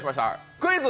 「クイズ！